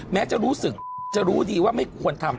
แม้จะรู้สึกจะรู้ดีว่าไม่ควรทำ